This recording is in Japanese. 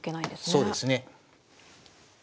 そうですね。